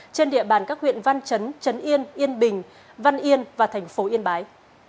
trên địa bàn các huyện văn chấn yên yên bình văn yên và thành phố yên bái